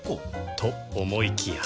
と思いきや